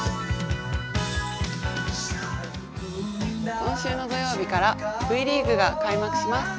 今週の土曜日からＶリーグが開幕します。